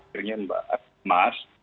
akhirnya mbak arief mas